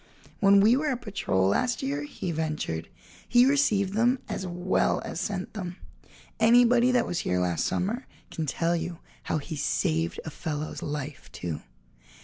"When we were a patrol last year," he ventured, "he received them as well as sent them. Anybody that was here last summer can tell you how he saved a fellow's life, too."